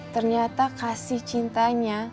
ternyata kasih cintanya